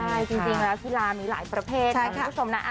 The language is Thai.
พิกับปลามีหลายประเภทนะคุณผู้ชมนะ